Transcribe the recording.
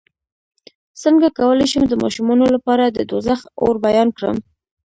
څنګه کولی شم د ماشومانو لپاره د دوزخ اور بیان کړم